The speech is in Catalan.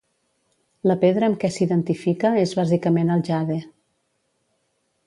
La pedra amb què s'identifica és bàsicament el jade.